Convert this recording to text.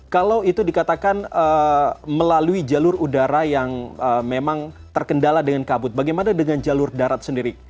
kalau itu dikatakan melalui jalur udara yang memang terkendala dengan kabut bagaimana dengan jalur darat sendiri